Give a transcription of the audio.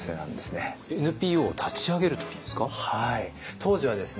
当時はですね